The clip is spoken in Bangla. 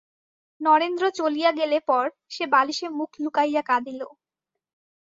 নরেন্দ্র চলিয়া গেলে পর সে বালিশে মুখ লুকাইয়া কাঁদিল।